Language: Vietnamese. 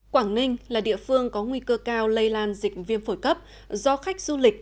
quảng ninh là địa phương có nguy cơ cao lây lan dịch viêm phổi cấp do khách du lịch